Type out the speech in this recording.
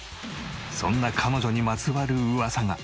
そんな彼女にまつわる噂が。